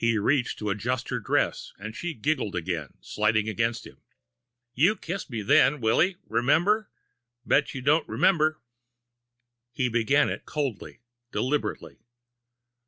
He reached to adjust her dress, and she giggled again, sliding against him. "You kissed me then, Willy. Remember? Bet you don' remember!" He began it coldly, deliberately.